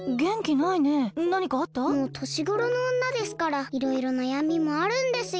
もうとしごろのおんなですからいろいろなやみもあるんですよ。